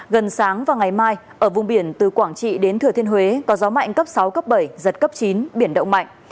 gần sáng và ngày mai ở vùng biển từ quảng trị đến thừa thiên huế có gió mạnh cấp sáu cấp bảy giật cấp chín biển động mạnh